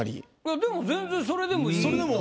でも全然それでもいいと思う。